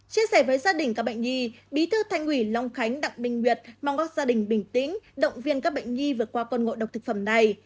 chia sẻ với gia đình các bệnh nhi bí thư thành ủy long khánh đặng đình nguyệt mong các gia đình bình tĩnh động viên các bệnh nhi vượt qua con ngộ độc thực phẩm này